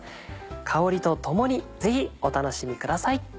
香りとともにぜひお楽しみください。